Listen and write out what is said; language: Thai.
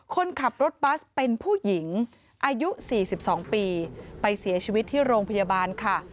คนขับรถบัสเป็นผู้หญิงอายุ๔๒ปีไปเสียชีวิตที่โรงพยาบาลค่ะ